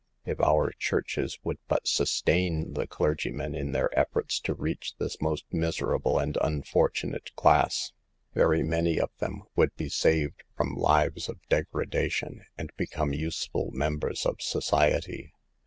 If our churches would but sustain the clergymen in their efforts to reach this most miserable and unfortunate class, very many of them would be saved from lives of degradation, and become useful members of society.